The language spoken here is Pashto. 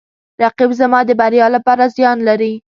رقیب زما د بریا لپاره زیان لري